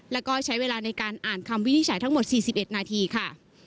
แล้วก็ใช้เวลาในการอ่านคำวินิจฉัยทั้งหมด๔๑นาทีค่ะ